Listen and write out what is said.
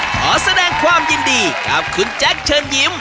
ขอแสดงความยินดีกับคุณแจ๊คเชิญยิ้ม